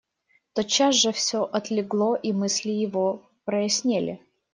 Тотчас же всё отлегло, и мысли его прояснели.